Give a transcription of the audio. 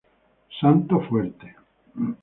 Santo Fuerte.